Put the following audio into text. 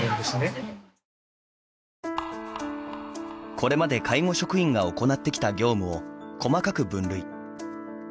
これまで介護職員が行ってきた業務を細かく分類。